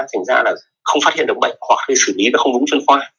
thành ra là không phát hiện được bệnh hoặc đi xử lý và không đúng chân khoa